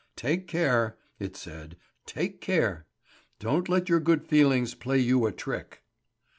"Take care!" it said, "take care! Don't let your good feelings play you a trick!"